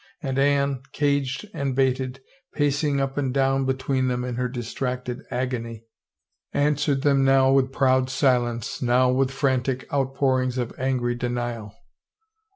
And Anne, caged and baited, pacing up and down between them in her distracted agony, answered 332 THE TOWER them now with proud silence, now with frantic outpour ings of angry denial.